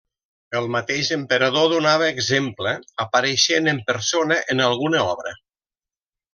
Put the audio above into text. El mateix emperador donava exemple apareixent en persona en alguna obra.